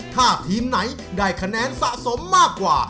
ถ้าทีมไหนได้คะแนนสะสมมากกว่า